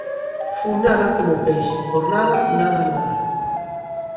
Fun nada como o peixe, por nada, nada a nadar.